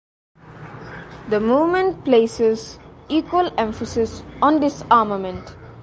The movement places equal emphasis on disarmament.